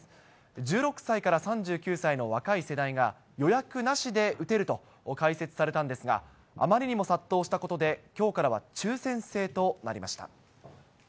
１６歳から３９歳の若い世代が予約なしで打てると開設されたんですが、あまりにも殺到したことで、きょうからは抽せん制となりました。